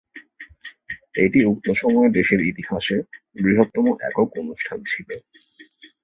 এটি উক্ত সময়ে দেশের ইতিহাসে বৃহত্তম একক অনুষ্ঠান ছিল।